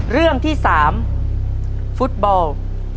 เรื่องที่๓ฟุตบอล